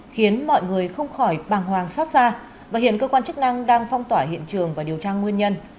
khiến mọi người không khỏi bàng hoàng xót xa và hiện cơ quan chức năng đang phong tỏa hiện trường và điều tra nguyên nhân